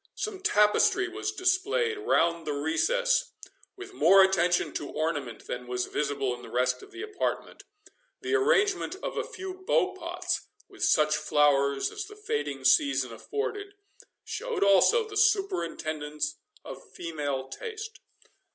Some tapestry was displayed around the recess, with more attention to ornament than was visible in the rest of the apartment; the arrangement of a few bow pots, with such flowers as the fading season afforded, showed also the superintendence of female taste.